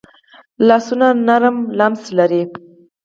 لاسونه نرم لمس لري